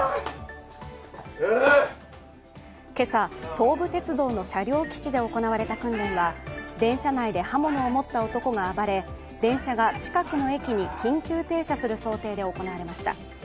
今朝、東武鉄道の車両基地で行われた訓練は電車内で刃物を持った男が暴れ電車が近くの駅に緊急停車する想定で行われました。